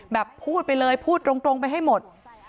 พูดไปเลยพูดตรงไปให้หมด